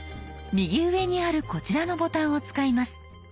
右上にあるこちらのボタンを使います。